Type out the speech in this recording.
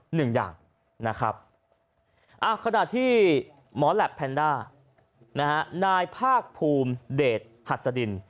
หนึ่งอย่างขณะที่หมอแลพแพนด้านายภาคภูมิเดชหัสดิน